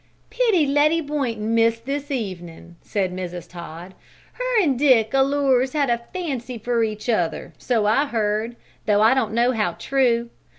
"Pity Letty Boynton missed this evenin'," said Mrs. Todd. "Her an' Dick allers had a fancy for each other, so I've heard, though I don't know how true.